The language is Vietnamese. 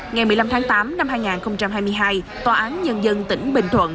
ngày một mươi năm tháng tám năm hai nghìn hai mươi hai tòa án nhân dân tỉnh bình thuận